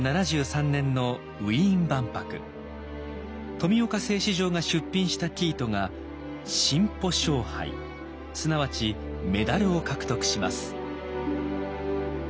富岡製糸場が出品した生糸がすなわちメダルを獲得します。